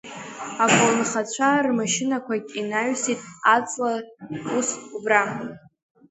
Аколнхацәа рмашьынақәагь, инаҩсит аҵла, ус убра…